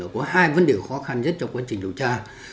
có hai vấn đề khó khăn nhất trong quá trình điều tra